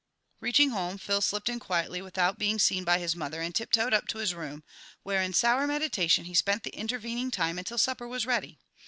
Reaching home, Phil slipped in quietly without being seen by his mother and tiptoed up to his room, where, in sour meditation, he spent the intervening time until supper was ready.